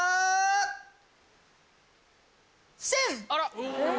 あら。